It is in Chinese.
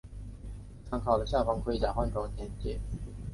可参考下方的盔甲换装简介。